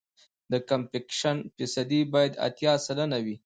د کمپکشن فیصدي باید اتیا سلنه وي